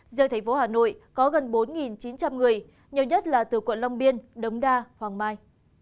riêng thành phố hà nội có gần bốn chín trăm linh người nhiều nhất là từ quận long biên đống đa hoàng mai